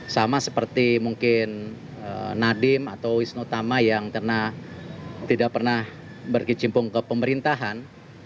sama seperti mungkin nadiem atau wisnu tama yang tidak pernah berkecimpung ke pemerintahan